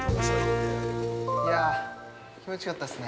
いやぁ、気持ちよかったっすね。